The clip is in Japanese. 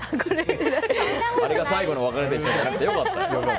あれが最後の別れでしたじゃなくて良かった。